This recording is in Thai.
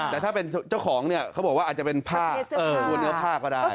แต่ถ้าเป็นเจ้าของเนี่ยเขาบอกว่าอาจจะเป็นผ้าตัวเนื้อผ้าก็ได้